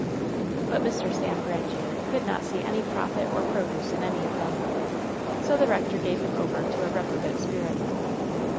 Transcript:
But Mr. Sam Grandiere cotdd not see any profit or "produce" in any of them. So the rector gave him over to a reprobate spirit.